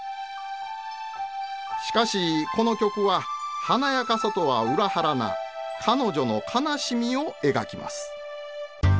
しかしこの曲は華やかさとは裏腹な彼女の悲しみを描きます。